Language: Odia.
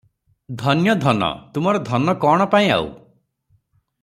ଧନ୍ୟ ଧନ! ତୁମର ଧନ କଣ ପାଇଁ ଆଉ ।